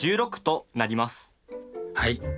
はい。